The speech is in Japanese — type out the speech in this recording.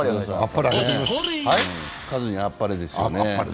カズにあっぱれですよね。